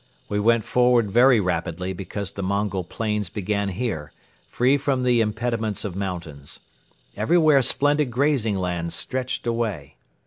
We went forward very rapidly because the Mongol plains began here, free from the impediments of mountains. Everywhere splendid grazing lands stretched away.